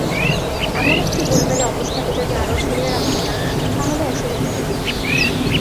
এমন একটি গোলমেলে অবস্থাকে যদি আরও ঝুলিয়ে রাখা হয়, তাহলেও অসুবিধা নেই।